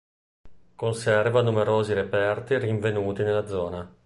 Conserva numerosi reperti rinvenuti nella zona.